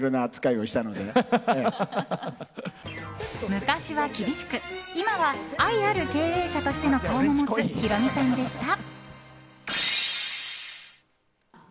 昔は厳しく、今は愛ある経営者としての顔も持つヒロミさんでした。